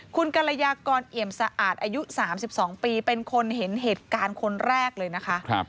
คุณกรยากรเอี่ยมสะอาดอายุ๓๒ปีเป็นคนเห็นเหตุการณ์คนแรกเลยนะคะ